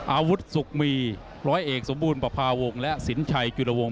อาวุธสุขมีร้อยเอกสมบูรณ์ประพาวงศ์และสินชัยจุลวงศ